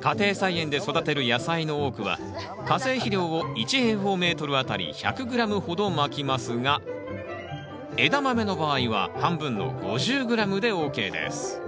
家庭菜園で育てる野菜の多くは化成肥料を１あたり１００ｇほどまきますがエダマメの場合は半分の５０ｇでＯＫです。